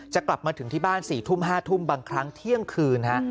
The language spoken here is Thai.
กลับมาถึงที่บ้าน๔ทุ่ม๕ทุ่มบางครั้งเที่ยงคืนฮะ